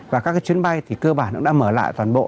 và các cái chuyến bay thì cơ bản cũng đã mở lại toàn bộ